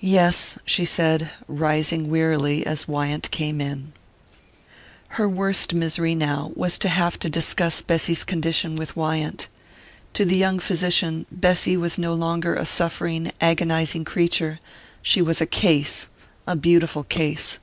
"Yes," she said, rising wearily as Wyant came in. Her worst misery, now, was to have to discuss Bessy's condition with Wyant. To the young physician Bessy was no longer a suffering, agonizing creature: she was a case a beautiful case.